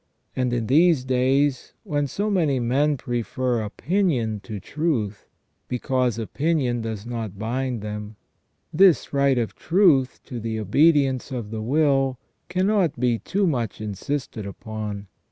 And in these days, when so many men prefer opinion to truth, because opinion does not bind them, this right of truth to the obedience of the will cannot be too much insisted upon.